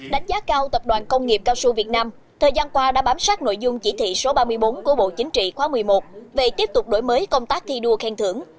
đánh giá cao tập đoàn công nghiệp cao su việt nam thời gian qua đã bám sát nội dung chỉ thị số ba mươi bốn của bộ chính trị khóa một mươi một về tiếp tục đổi mới công tác thi đua khen thưởng